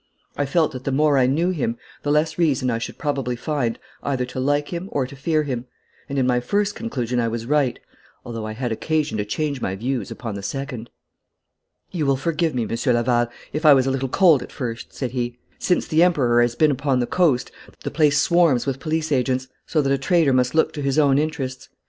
I felt that the more I knew him the less reason I should probably find either to like him or to fear him, and in my first conclusion I was right, although I had occasion to change my views upon the second. 'You will forgive me, Monsieur Laval, if I was a little cold at first,' said he. 'Since the Emperor has been upon the coast the place swarms with police agents, so that a trader must look to his own interests.